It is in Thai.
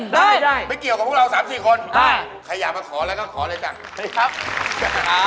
ได้ไม่ได้เดี๋ยวกับพวกเรา๓๔คนใครอยากมาขอแล้วก็ขอเลยจง